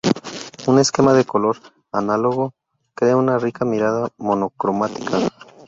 Un esquema de color análogo crea una rica mirada, monocromática.